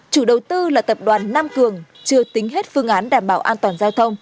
chủ đầu tư là tập đoàn nam cường chưa tính hết phương án đảm bảo an toàn giao thông